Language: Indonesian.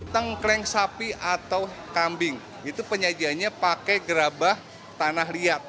tengkleng sapi atau kambing itu penyajiannya pakai gerabah tanah liat